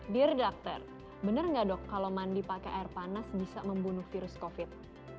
dear doctor bener nggak dok kalau mandi pakai air panas bisa membunuh virus covid